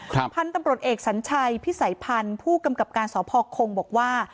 พันธุ์ตำรวจเอกสัญชัยพิสัยพันธ์ผู้กำกับการสพคงบอกว่า